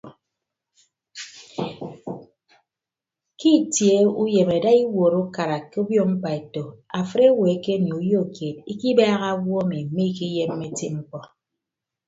Ke itie uyem ada iwuot ukara ke obio mkpaeto afịt owo ekenie uyo keed ikibaaha owo emi miikiyemme eti mkpọ.